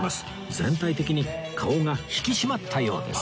全体的に顔が引き締まったようです